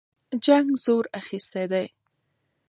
جنګ زور اخیستی دی.